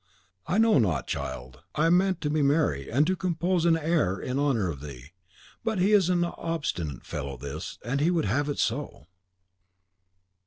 "I know not, child. I meant to be merry, and compose an air in honour of thee; but he is an obstinate fellow, this, and he would have it so."